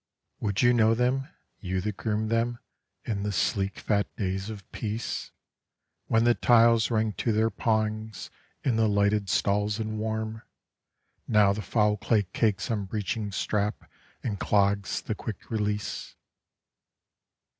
(Would you know them, you that groomed them in the sleek fat days of peace, When the tiles rang to their pawings in the lighted stalls and warm, Now the foul clay cakes on breeching strap and clogs the quick release?)